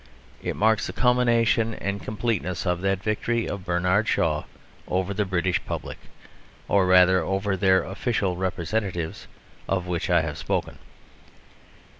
It marks the culmination and completeness of that victory of Bernard Shaw over the British public, or rather over their official representatives, of which I have spoken.